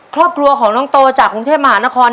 ครอบครัวของน้องโตจากกรุงเทพมหานคร